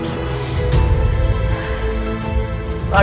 radin radin radin